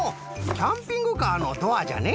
キャンピングカーのドアじゃね。